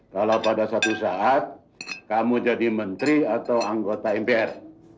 kalau pada suatu saat kamu jadi menteri atau anggota mpr